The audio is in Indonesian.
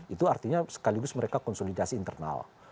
itu artinya sekaligus mereka konsolidasi internal